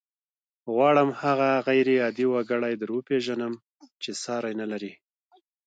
غواړم هغه غير عادي وګړی در وپېژنم چې ساری نه لري.